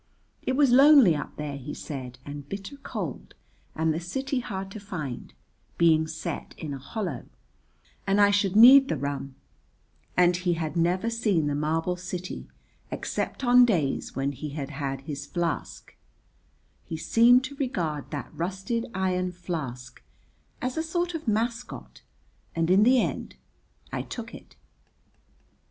It was lonely up there, he said, and bitter cold and the city hard to find, being set in a hollow, and I should need the rum, and he had never seen the marble city except on days when he had had his flask: he seemed to regard that rusted iron flask as a sort of mascot, and in the end I took it.